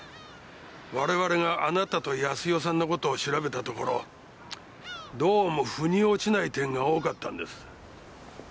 我々があなたと康代さんのことを調べたところどうも腑に落ちない点が多かったんです。